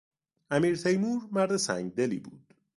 امیر تیمور مرد سنگدلی بود.